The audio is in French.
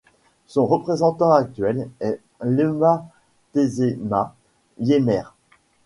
Son représentant actuel est Lema Tesema Yemere.